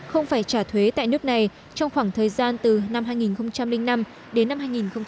không phải trả thuế tại nước này trong khoảng thời gian từ năm hai nghìn năm đến năm hai nghìn một mươi